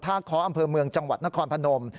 ค้ออำเภอเมืองจังหวัดนครพนม